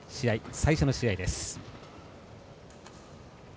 最初の試合です。